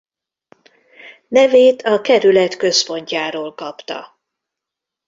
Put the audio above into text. Nevét a kerület központjáról kapta.